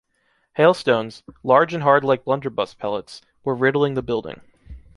Hailstones, large and hard like blunderbuss pellets, were riddling the building.